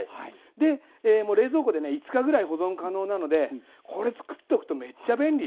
でもう冷蔵庫でね５日ぐらい保存可能なのでこれ作っとくとめっちゃ便利。